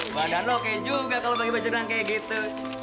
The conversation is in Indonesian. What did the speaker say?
badan oke juga kalau bagi baju dan kayak gitu